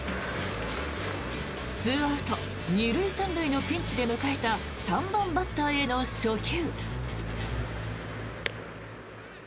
２アウト２塁３塁のピンチで迎えた３番バッターへの初球。